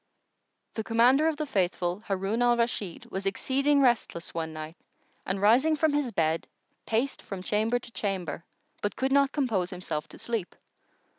The Commander of the Faithful Harun Al Rashid was exceeding restless one night and rising from his bed, paced from chamber to chamber, but could not compose himself to sleep.